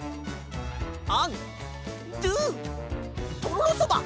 アン・ドゥ・とろろそば！